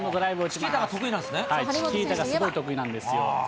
チキータがすごい得意なんですよ。